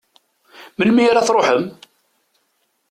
Melmi ara truḥem?